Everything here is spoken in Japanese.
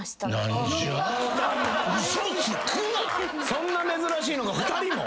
そんな珍しいのが２人も？